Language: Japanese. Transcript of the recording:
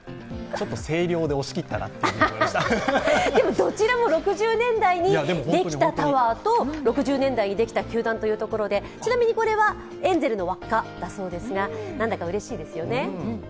どちらも６０年代にできたタワーと６０年代にできた球団というところでちなみに、これはエンゼルの輪っかだそうですが、なんだかうれしいですよね。